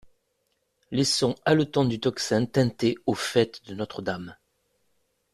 Les sons haletants du tocsin tintaient au faîte de Notre-Dame.